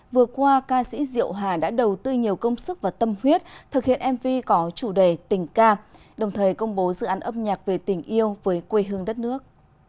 vừa qua ca sĩ diệu hà đã đầu tư nhiều công sức và tâm huyết thực hiện mv có chủ đề tình ca đồng thời công bố dự án âm nhạc về tình yêu với quê hương đất nước